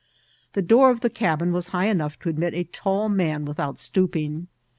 The door of the cabin was high enough to admit a tall man with* out stooping.